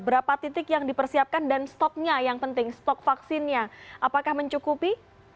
berapa titik yang dipersiapkan dan stoknya yang penting stok vaksinnya apakah mencukupi